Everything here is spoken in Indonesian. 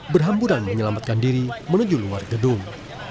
berhamburan menyelamatkan diri menuju luar gedung